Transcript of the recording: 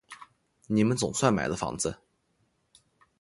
你们总算买了房子